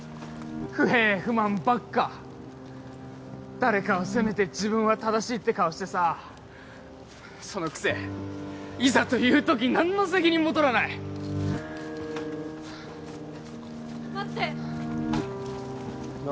不平不満ばっか誰かを責めて自分は正しいって顔してさそのくせいざという時何の責任もとらない待って何？